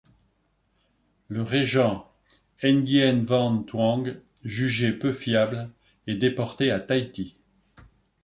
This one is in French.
Le régent Nguyễn Văn Tường, jugé peu fiable, est déporté à Tahiti.